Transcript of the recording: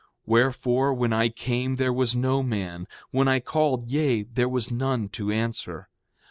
7:2 Wherefore, when I came, there was no man; when I called, yea, there was none to answer.